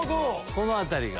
この辺りが。